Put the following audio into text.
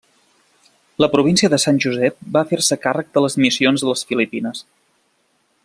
La província de Sant Josep va fer-se càrrec de les missions a les Filipines.